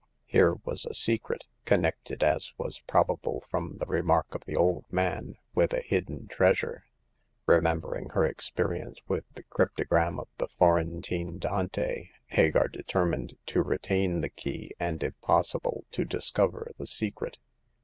Here was a secret, connected — as was probable from the re mark of the old man — with a hidden treasure. Remembering her experience with the crypto gram of the Florentine Dante, Hagar determined to retain the key, and, if possible, to discover the secret.